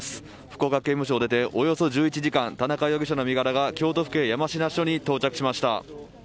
福岡刑務所を出ておよそ１１時間田中容疑者の身柄が京都府警山科署に到着しました。